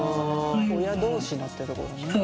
親同士のってところね。